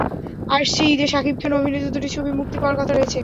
আসছে ঈদে শাকিব খান অভিনীত দুটি ছবি মুক্তি পাওয়ার কথা রয়েছে।